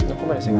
aku mau disini